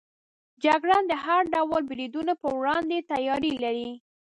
جګړن د هر ډول بریدونو پر وړاندې تیاری لري.